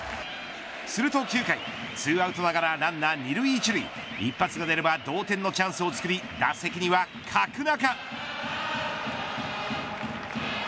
すると９回２アウトながらランナー二塁一塁一発が出れば同点のチャンスを作り打席には角中。